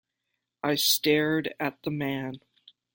I stared at the man.